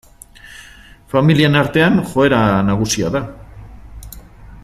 Familien artean joera nagusia da.